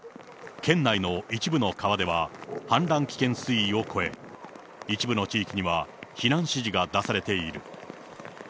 県内の一部の川では、氾濫危険水位を超え、一部の地域には避難指示が出されている。